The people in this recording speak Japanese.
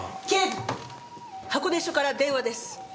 警部箱根署から電話です。